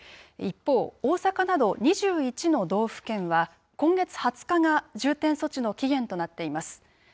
一方、大阪など２１の道府県は今月２０日が重点措置の期限となっています。